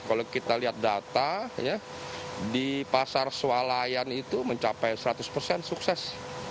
kalau kita lihat data di pasar sualayan itu mencapai seratus persen sukses